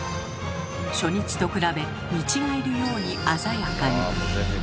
初日と比べ見違えるように鮮やかに。